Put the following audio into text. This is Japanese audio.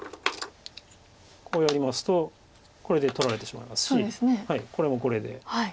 こうやりますとこれで取られてしまいますしこれもこれで。